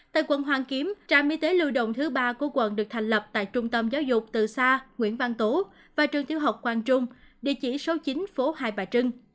tại quận hoàng kiếm trạm y tế lưu động thứ ba của quận được thành lập tại trung tâm giáo dục tự sa nguyễn văn tố và trường tiếu học hoàng trung địa chỉ số chín phố hai bà trưng